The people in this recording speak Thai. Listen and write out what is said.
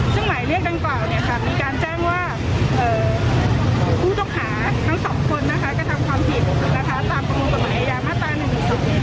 ซึ่งหลายเรียกตั้งเปล่ามีการแจ้งว่าผู้ตกหาทั้งสองคนก็ทำความผิดตามประมวงตัวหมายอย่างหน้าตา๑หรือ๒